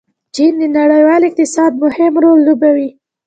چین د نړیوال اقتصاد مهم رول لوبوي.